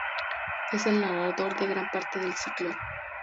Es el narrador de gran parte del ciclo.